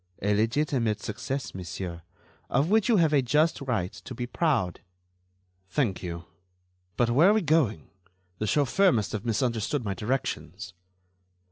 "A legitimate success, monsieur, of which you have a just right to be proud." "Thank you. But where are we going? The chauffeur must have misunderstood my directions."